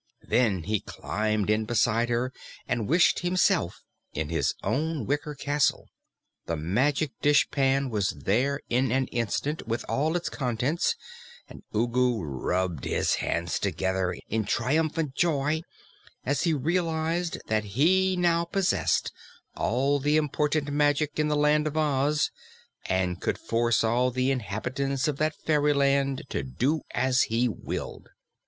Then he climbed in beside her and wished himself in his own wicker castle. The Magic Dishpan was there in an instant, with all its contents, and Ugu rubbed his hands together in triumphant joy as he realized that he now possessed all the important magic in the Land of Oz and could force all the inhabitants of that fairyland to do as he willed.